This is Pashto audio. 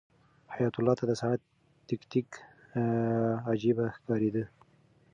حیات الله ته د ساعت تیک تیک عجیبه ښکارېده.